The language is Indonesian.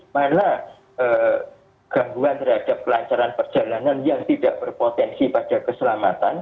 mana gangguan terhadap kelancaran perjalanan yang tidak berpotensi pada keselamatan